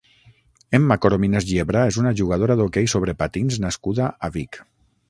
Emma Corominas Yebra és una jugadora d'hoquei sobre patins nascuda a Vic.